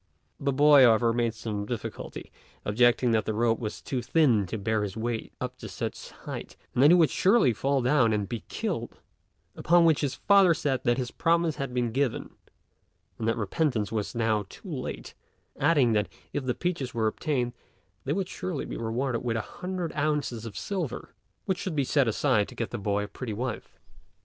The boy, however, made some difficulty, objecting that the rope was too thin to bear his weight up to such a height, and that he would surely fall down and be killed; upon which his father said that his promise had been given and that repentance was now too late, adding that if the peaches were obtained they would surely be rewarded with a hundred ounces of silver, which should be set aside to get the boy a pretty wife.